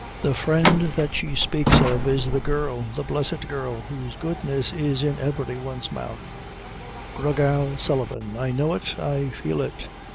The friend that she speaks of is the girl the blessed girl whose goodness is in every one's mouth Gra Gal Sullivan. I know it, I feel it."